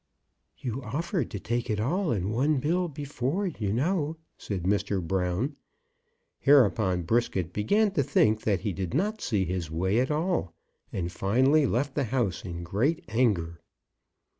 "You offered to take it all in one bill before, you know," said Mr. Brown. Hereupon Brisket began to think that he did not see his way at all, and finally left the house in great anger.